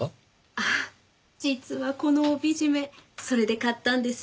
あっ実はこの帯締めそれで買ったんです。